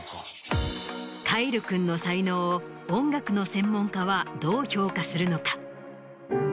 凱成君の才能を音楽の専門家はどう評価するのか？